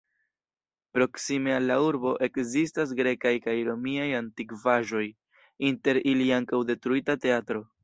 Proksime al la urbo ekzistas grekaj kaj romiaj antikvaĵoj, inter ili ankaŭ detruita teatro.